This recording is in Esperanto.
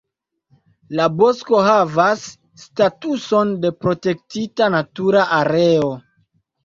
La bosko havas statuson de protektita natura areo.